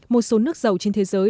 một số nước giàu trên thế giới